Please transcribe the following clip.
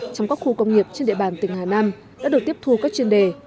trong các khu công nghiệp trên địa bàn tỉnh hà nam đã được tiếp thu các chuyên đề